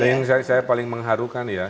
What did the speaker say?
dan yang saya paling mengharukan ya